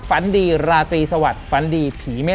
ฝันดีลาตีสวัสดี